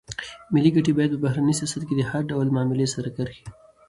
ملي ګټې باید په بهرني سیاست کې د هر ډول معاملې سرې کرښې وي.